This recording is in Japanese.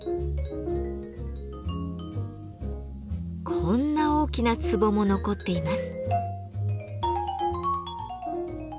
こんな大きな壺も残っています。